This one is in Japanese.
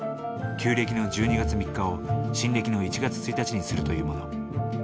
旧暦の１２月３日を新暦の１月１日にするというもの。